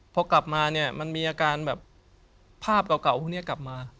พอกลับมาเนี่ยมันมีอาการแบบภาพเก่าพวกนี้กลับมา